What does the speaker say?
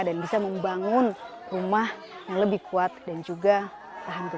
dan bisa membangun rumah yang lebih kuat dan juga tahan tumpah